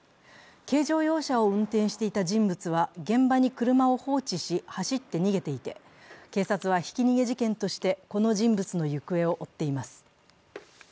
軽乗用車を運転していた人物は現場に車を放置し、走って逃げていて、警察はひき逃げ事件としてこの人物の行方を追っています。